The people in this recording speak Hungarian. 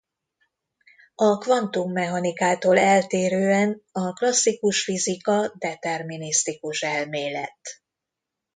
A kvantummechanikától eltérően a klasszikus fizika determinisztikus elmélet.